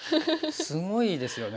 すごいですよね。